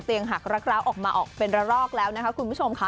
หักรักร้าวออกมาออกเป็นระลอกแล้วนะคะคุณผู้ชมค่ะ